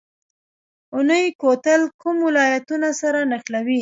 اونی کوتل کوم ولایتونه سره نښلوي؟